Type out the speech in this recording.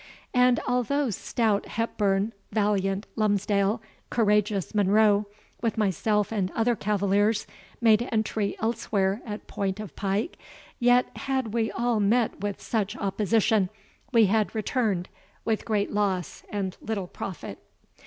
And although stout Hepburn, valiant Lumsdale, courageous Monroe, with myself and other cavaliers, made entry elsewhere at point of pike, yet, had we all met with such opposition, we had returned with great loss and little profit.